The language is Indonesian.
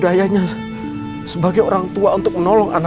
gimana membuat buku pada neliti untuk kata humour